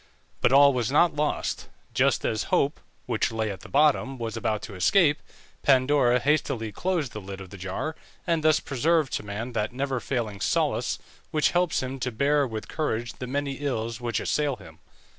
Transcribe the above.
But all was not lost. Just as Hope (which lay at the bottom) was about to escape, Pandora hastily closed the lid of the jar, and thus preserved to man that never failing solace which helps him to bear with courage the many ills which assail him.